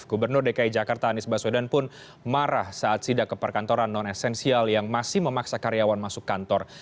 gubernur dki jakarta anies baswedan pun marah saat sidak ke perkantoran non esensial yang masih memaksa karyawan masuk kantor